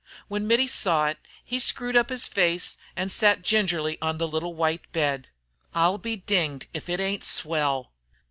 When Mittie saw it he screwed up his face and sat gingerly on the little, white bed. "I'll be dinged if it ain't swell!"